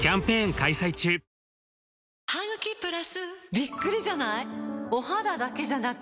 びっくりじゃない？